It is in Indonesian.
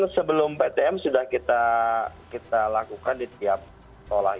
sebelum ptm sudah kita lakukan di tiap sekolah